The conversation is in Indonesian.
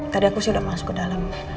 tadi aku sih udah masuk ke dalam